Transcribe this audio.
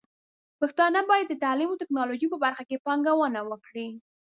پښتانه بايد د تعليم او ټکنالوژۍ په برخه کې پانګونه وکړي.